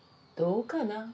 どうかな？